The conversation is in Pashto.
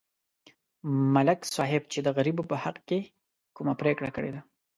ملک صاحب چې د غریبو په حق کې کومه پرېکړه کړې ده